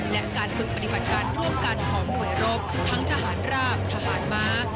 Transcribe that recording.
และการฝึกปฏิบัติการร่วมกันของหน่วยรบทั้งทหารราบทหารม้า